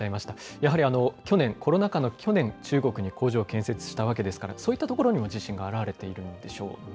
やはり去年、コロナ禍の去年、中国に工場を建設したわけですから、そういったところにも自信が表れているんでしょうね。